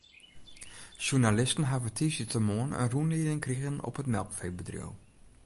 Sjoernalisten hawwe tiisdeitemoarn in rûnlieding krigen op it melkfeebedriuw.